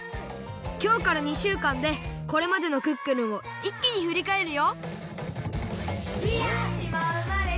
きょうから２しゅうかんでこれまでの「クックルン」をいっきにふりかえるよ！